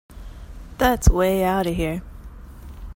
That's way outta here.